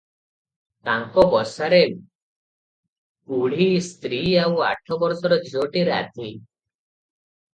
ତାଙ୍କ ବସାରେ ବୁଢୀଢ଼ୀ, ସ୍ତ୍ରୀ ଆଉ ଆଠ ବର୍ଷର ଝିଅଟି ରାଧୀ ।